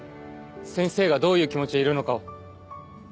先生がどういう気持ちでいるのかを。